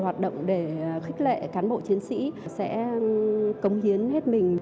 đây là một hoạt động để khích lệ cán bộ chiến sĩ sẽ cống hiến hết mình